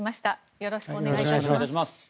よろしくお願いします。